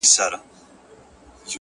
• د رڼاگانو شيسمحل کي به دي ياده لرم،